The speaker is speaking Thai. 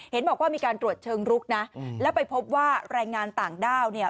เห็นบอกว่ามีการตรวจเชิงรุกนะแล้วไปพบว่าแรงงานต่างด้าวเนี่ย